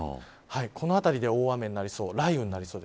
この辺りで大雨になりそう。